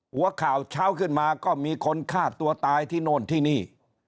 หัวข่าวเช้าขึ้นมาก็มีคนฆ่าตัวตายที่โน่นที่นี่